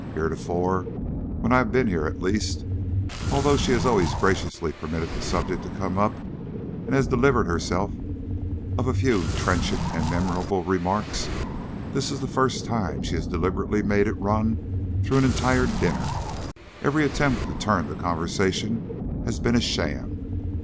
Heretofore, when I have been here, at least, although she has always graciously permitted the subject to come up and has delivered herself of a few trenchant and memorable remarks, this is the first time she has deliberately made it run through an entire dinner; every attempt to turn the conversation has been a sham.